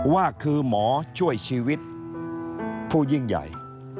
ว่าคือหมอช่วยชีวิตผู้ยิ่งใหญ่